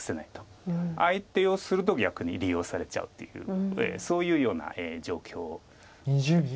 相手をすると逆に利用されちゃうということでそういうような状況だったんです。